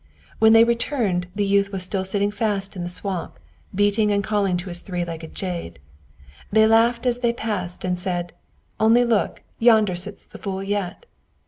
When they returned, the youth was still sitting fast in the swamp, beating and calling to his three legged jade. They laughed as they passed, and said, "Only look, yonder sits the fool yet."